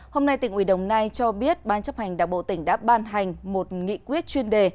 hôm nay tỉnh ủy đồng nai cho biết ban chấp hành đảng bộ tỉnh đã ban hành một nghị quyết chuyên đề